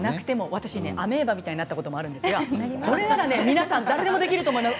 私、アメーバのようになったことがありますがこれなら皆さんできると思います。